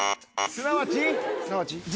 すなわち？